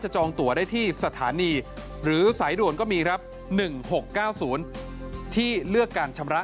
จองตัวได้ที่สถานีหรือสายด่วนก็มีครับ๑๖๙๐ที่เลือกการชำระ